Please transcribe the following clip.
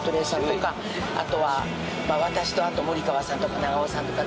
あとは私と森川さんと長尾さんとか。